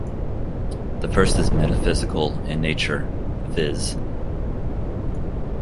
The first is metaphysical in nature, "viz".